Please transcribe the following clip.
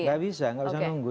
tidak bisa tidak bisa menunggu